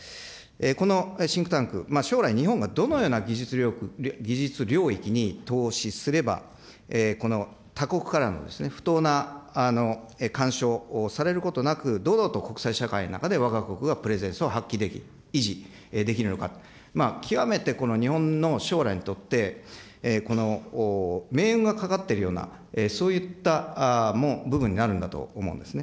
このシンクタンク、将来、日本がどのような技術力、技術領域に投資すれば、この他国からの不当な干渉をされることなく、堂々と国際社会の中でわが国がプレゼンスを発揮できる、維持できるのか、極めてこの日本の将来にとって、命運がかかっているような、そういった部分になるんだと思うんですね。